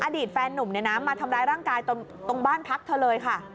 อดีตแฟนนุ่มมาทำร้ายร่างกายตรงบ้านพักเธอเลยค่ะ